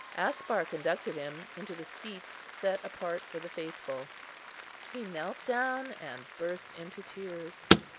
Aspar conducted him into the seats set apart for the faithful; he knelt down and burst into tears.